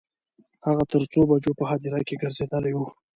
هغه تر څو بجو په هدیرې ګرځیدلی و.